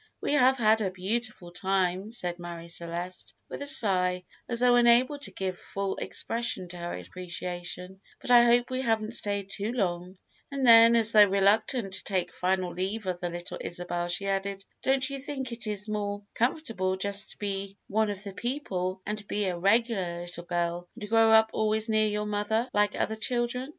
"We have had a beautiful time," said Marie Celeste, with a sigh, as though unable to give full expression to her appreciation; "but I hope we haven't stayed too long;" and then, as though reluctant to take final leave of the little Isabel, she added: "Don't you think it is more comfortable just to be one of the people, and be a regular little girl, and grow up always near your mother, like other children?"